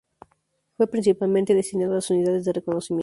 Fue principalmente destinado a las unidades de reconocimiento.